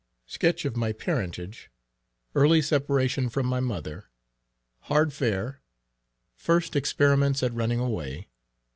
_Sketch of my Parentage. Early separation from my Mother. Hard Fare. First Experiments at running away.